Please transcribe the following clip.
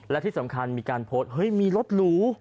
และที่สำคัญมีการพลมีรถหลู